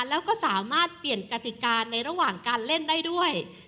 แล้วก็สามารถเปลี่ยนกติกาในระหว่างการเล่นได้ด้วย